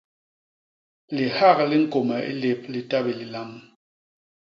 Lihak li ñkôme i lép li ta bé lilam.